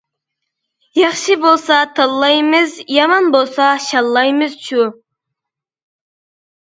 ياخشى بولسا تاللايمىز، يامان بولسا شاللايمىز شۇ.